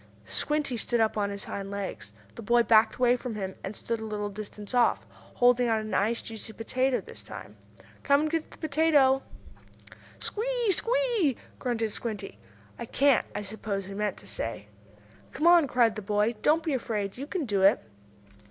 Squinty stood up on his hind legs. The boy backed away from him, and stood a little distance off, holding out a nice, juicy potato this time. "Come and get the potato," called the boy. "Squee! Squee!" grunted Squinty. "I can't!" I suppose he meant to say. "Come on!" cried the boy. "Don't be afraid. You can do it!"